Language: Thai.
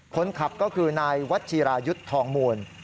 คนขับก็คือนายวัชีรายุทธ์ทองมูล